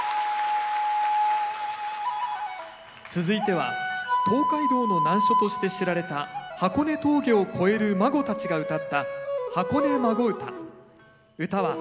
続いては東海道の難所として知られた箱根峠を越える馬子たちがうたった「箱根馬子唄」。